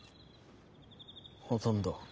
ほとんど。